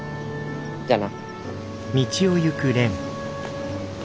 じゃあな。